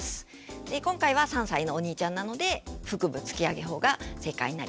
今回は３歳のお兄ちゃんなので腹部突き上げ法が正解になります。